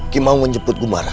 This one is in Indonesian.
kimau menjemput gumara